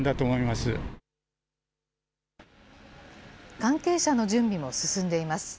関係者の準備も進んでいます。